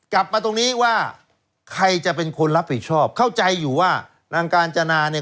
กลับมาตรงนี้ว่าใครจะเป็นคนรับผิดชอบเข้าใจอยู่ว่านางกาญจนาเนี่ย